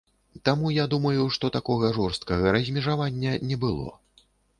Таму я думаю, што такога жорсткага размежавання не было.